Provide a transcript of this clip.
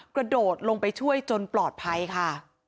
กระโดดลงไปช่วยจนปลอดภัยค่ะ